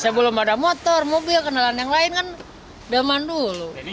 sebelum ada motor mobil kenalan yang lain kan zaman dulu